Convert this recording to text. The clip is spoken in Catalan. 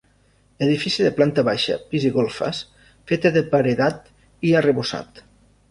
Edifici de planta baixa, pis i golfes, feta de paredat i arrebossat.